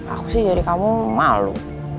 aku sih jadi kamu malu